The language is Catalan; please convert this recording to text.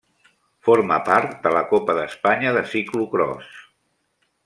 Forma part de la Copa d'Espanya de ciclocròs.